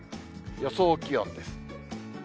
予想気温です。